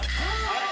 あれ？